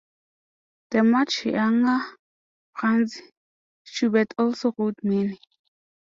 The much younger Franz Schubert also wrote many.